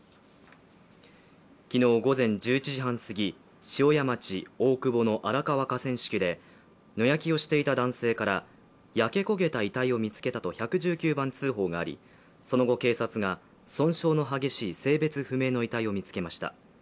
昨日午前１１時半すぎ、塩谷町大久保の荒川河川敷で野焼きをしていた男性から焼け焦げた遺体を見つけたと１１９番通報があり、その後警察が損傷の激しい性別不明の遺体を見つけました。